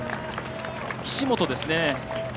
岸本ですね。